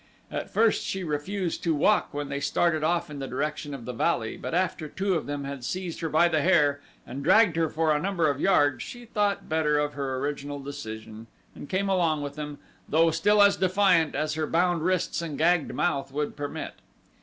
At first she refused to walk when they started off in the direction of the valley but after two of them had seized her by the hair and dragged her for a number of yards she thought better of her original decision and came along with them, though still as defiant as her bound wrists and gagged mouth would permit.